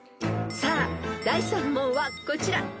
［さあ第３問はこちら］